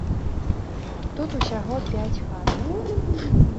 Тут усяго пяць хат.